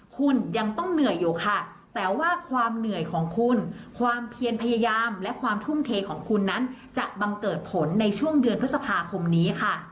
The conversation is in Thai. คุณยังต้องเหนื่อยอยู่ค่ะแต่ว่าความเหนื่อยของคุณความเพียรพยายามและความทุ่มเทของคุณนั้นจะบังเกิดผลในช่วงเดือนพฤษภาคมนี้ค่ะ